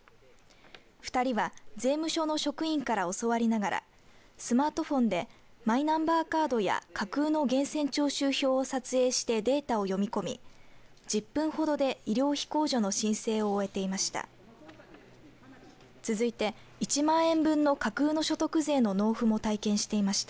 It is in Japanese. ２人は税務署の職員から教わりながらスマートフォンでマイナンバーカードや架空の源泉徴収票を撮影してデータを読み込み１０分ほどで医療費控除の申請を終えていました。